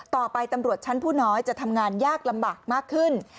ตำรวจชั้นผู้น้อยจะทำงานยากลำบากมากขึ้น